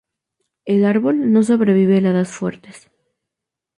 El árbol no sobrevive heladas fuertes.